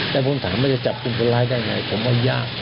แต่ผมถามว่าจะจับกลุ่มคนร้ายได้ไงผมว่ายาก